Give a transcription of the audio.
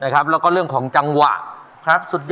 ขอบคุณค่ะ